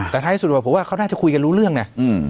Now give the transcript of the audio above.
แต่ท้ายที่สุดผมว่าเขาน่าจะคุยกันรู้เรื่องนะ